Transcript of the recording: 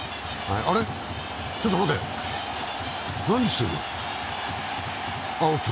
あれ、ちょっと待て、何してる？